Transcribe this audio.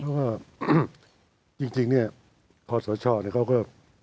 เพราะว่าจริงนี่ขอสวัสดิ์ช่องเขาก็